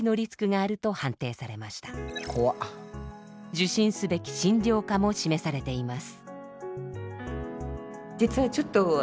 受診すべき診療科も示されています。